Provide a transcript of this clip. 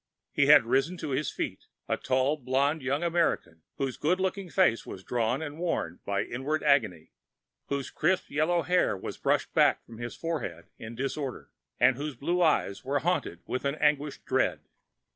He had risen to his feet, a tall, blond young American whose good looking face was drawn and worn by inward agony, whose crisp yellow hair was brushed back from his forehead in disorder, and whose blue eyes were haunted with an anguished dread.